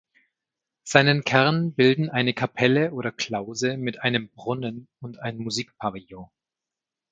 Seinen Kern bilden eine Kapelle oder Klause mit einem Brunnen und ein Musikpavillon.